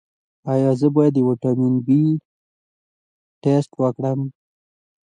ایا زه باید د ویټامین بي ټسټ وکړم؟